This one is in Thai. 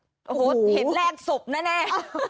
โอ้โหเห็นแรกศพแน่